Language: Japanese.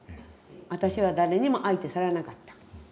私は誰にも相手されなかった。